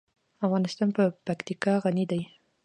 افغانستان په پکتیکا غني دی.